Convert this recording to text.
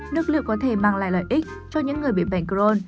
nước lựu có thể mang lại lợi ích cho những người bị bệnh crohn